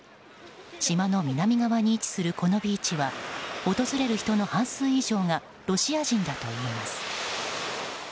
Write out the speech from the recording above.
島の南側に位置するこのビーチは訪れる人の半数以上がロシア人だといいます。